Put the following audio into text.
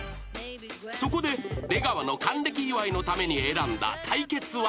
［そこで出川の還暦祝いのために選んだ対決は？］